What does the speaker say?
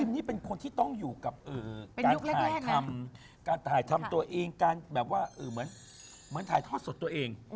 ทัพทิมนี้เป็นคนที่ต้องอยู่กับการถ่ายทำตัวเองเหมือนถ่ายทอดสดตัวเอง